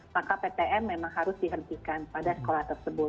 maka ptm memang harus dihentikan pada sekolah tersebut